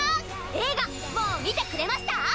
映画もう見てくれました？